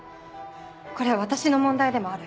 これは私の問題でもある。